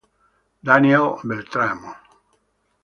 Daniel Beltramo